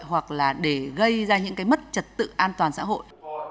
hoặc là để gây ra những cái mất trật tự an toàn xã hội